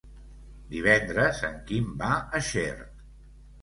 Divendres en Quim va a Xert.